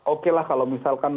okelah kalau misalkan